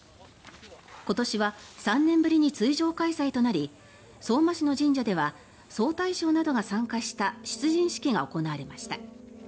今年は３年ぶりに通常開催となり相馬市の神社では総大将などが参加した出陣式が行われました。